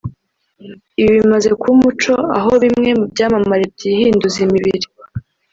Ibi bimaze kuba umuco aho bimwe mu byamamare byihinduza imibiri